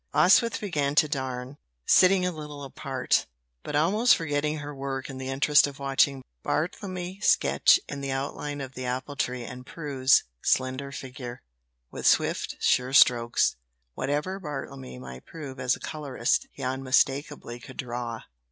Oswyth began to darn, sitting a little apart, but almost forgetting her work in the interest of watching Bartlemy sketch in the outline of the appletree and Prue's slender figure, with swift, sure strokes. Whatever Bartlemy might prove as a colorist, he unmistakably could draw.